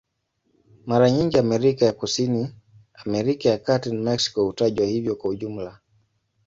Mara nyingi Amerika ya Kusini, Amerika ya Kati na Meksiko hutajwa hivyo kwa jumla.